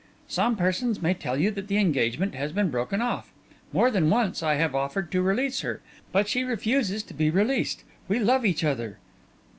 "Some persons may tell you that the engagement has been broken off; more than once, I have offered to release her, but she refuses to be released. We love each other."